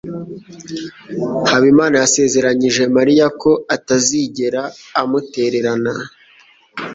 Habimana yasezeranyije Mariya ko atazigera amutererana.